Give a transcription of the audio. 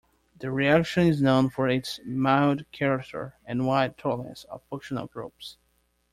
The reaction is known for its mild character and wide tolerance of functional groups.